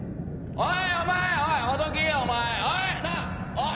おい！